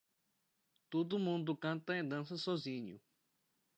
Todo mundo canta e dança sozinho.